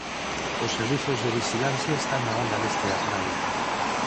Os servizos de vixilancia están na banda leste da praia.